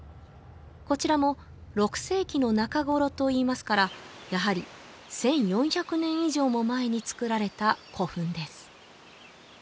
こちらも６世紀の中ごろといいますからやはり１４００年以上も前に造られた古墳です